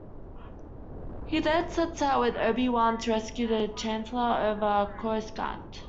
He then sets out with Obi-Wan to rescue the Chancellor over Coruscant.